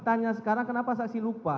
tanya sekarang kenapa saksi lupa